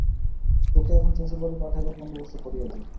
তােকে এখন শ্বশুরবাড়ি পাঠাইবার বন্দোবস্ত করিয়া দিই।